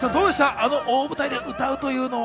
あの大舞台で歌うというのは。